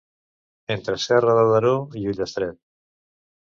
Entre Serra de Daró i Ullastret.